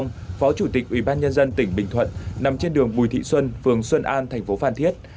nguyễn văn phong phó chủ tịch ủy ban nhân dân tỉnh bình thuận nằm trên đường bùi thị xuân phường xuân an thành phố phan thiết